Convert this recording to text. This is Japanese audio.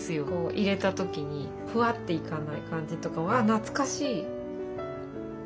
入れた時にふわっといかない感じとか懐かしい。